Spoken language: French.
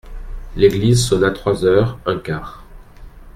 L'église sonna trois heures un quart.